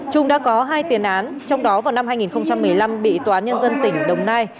trung đã có hai tiền án trong đó vào năm hai nghìn một mươi năm bị tòa án nhân dân tỉnh đồng nai